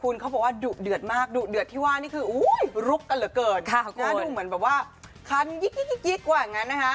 น่าดูเหมือนแบบว่าคันยิกกว่าอย่างนั้นนะคะ